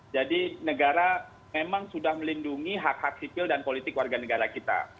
negara memang sudah melindungi hak hak sipil dan politik warga negara kita